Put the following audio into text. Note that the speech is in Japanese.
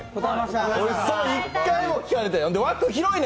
１回も聞かれてない、